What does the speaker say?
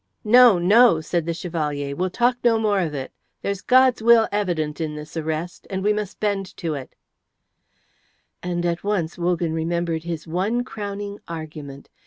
"No, no," said the Chevalier. "We'll talk no more of it. There's God's will evident in this arrest, and we must bend to it;" and at once Wogan remembered his one crowning argument.